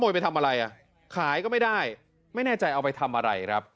ไปทำอะไรอ่ะขายก็ไม่ได้ไม่แน่ใจเอาไปทำอะไรครับ